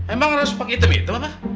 emang harus pake hitam hitam apa